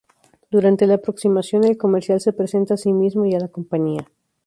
Durante la aproximación, el comercial se presenta a sí mismo y a la compañía.